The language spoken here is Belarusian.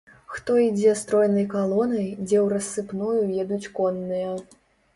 Хто ідзе стройнай калонай, дзе ў рассыпную едуць конныя.